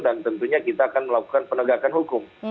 tentunya kita akan melakukan penegakan hukum